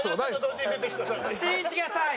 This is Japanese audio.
しんいちが３位。